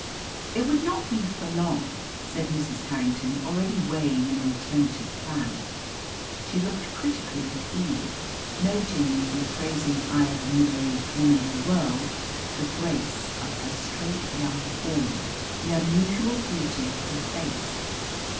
"It would not be for long," said Mrs. Harrington, already weighing an alternative plan. She looked critically at Eve, noting, with the appraising eye of a middle aged woman of the world, the grace of her straight young form, the unusual beauty of her face.